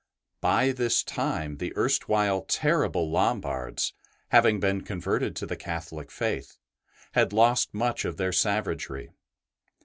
By this time, the erstwhile terrible Lom bards, having been converted to the Catholic faith, had lost much of their savagery.